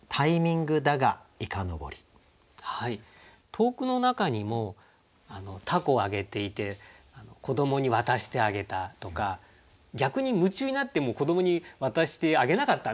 投句の中にも凧を揚げていて子どもに渡してあげたとか逆に夢中になって子どもに渡してあげなかったみたいなね